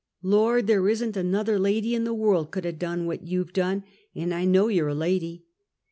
Lord! there isn't another lady in the world could 'a done what you've done; an' I know you're a lady!